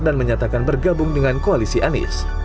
dan menyatakan bergabung dengan koalisi anies